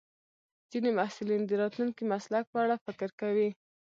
ځینې محصلین د راتلونکي مسلک په اړه فکر کوي.